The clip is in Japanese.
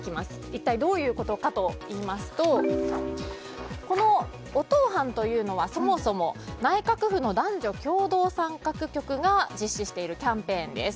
一体どういうことかといいますとこのおとう飯というのはそもそも内閣府の男女共同参画局が実施しているキャンペーンです。